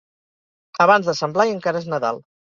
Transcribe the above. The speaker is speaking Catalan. Abans de Sant Blai encara és Nadal.